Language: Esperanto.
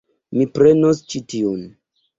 Mi prenos ĉi tiun.